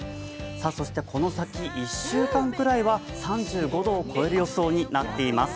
そしてこの先１週間くらいは３５度を超える予想になっています。